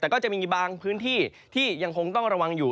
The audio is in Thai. แต่ก็จะมีบางพื้นที่ที่ยังคงต้องระวังอยู่